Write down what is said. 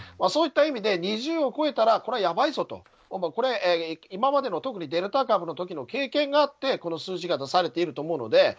そういった意味で２０を超えたらこれはやばいぞと今までの、特にデルタ株の時の経験があって、この数字が出されていると思うので。